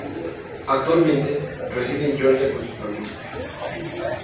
Actualmente, reside en Georgia con su familia.